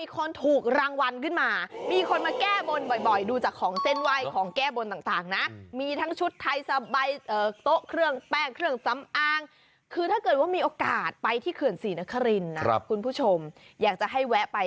กูถึงเรื่องของกู้เรือขึ้นมาได้เอาไว้ที่วัดแล้วที่บนพระม่าย